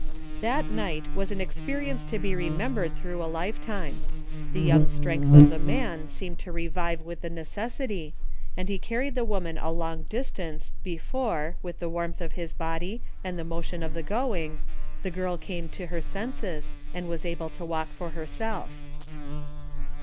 That night was an experience to be remembered through a lifetime. The young strength of the man seemed to revive with the necessity, and he carried the woman a long distance before, with the warmth of his body and the motion of the going, the girl came to her senses and was able to walk for herself.